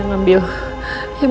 aku mau berbicara